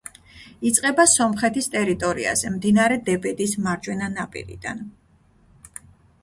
იწყება სომხეთის ტერიტორიაზე, მდინარე დებედის მარჯვენა ნაპირიდან.